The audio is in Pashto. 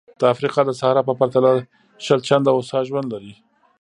د افریقا د صحرا په پرتله شل چنده هوسا ژوند لري.